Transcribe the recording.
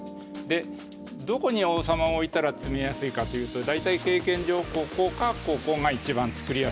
でどこに王様を置いたら詰めやすいかというと大体経験上ここかここが一番作りやすいです。